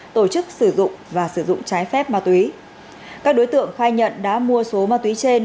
tổ chức sử dụng và sử dụng trái phép ma túy các đối tượng khai nhận đã mua số ma túy trên